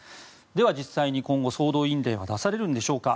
では、実際に今後、総動員令は出されるのでしょうか。